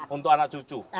untuk anak cucu